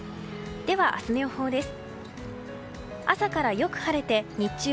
では明日の予報です。